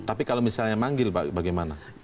tapi kalau misalnya manggil pak bagaimana